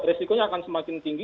risikonya akan semakin tinggi